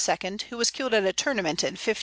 who was killed at a tournament in 1559.